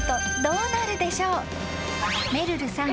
［めるるさん。